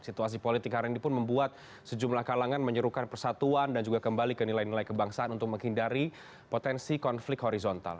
situasi politik hari ini pun membuat sejumlah kalangan menyerukan persatuan dan juga kembali ke nilai nilai kebangsaan untuk menghindari potensi konflik horizontal